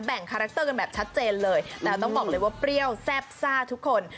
คาแรคเตอร์กันแบบชัดเจนเลยแต่ต้องบอกเลยว่าเปรี้ยวแซ่บซ่าทุกคน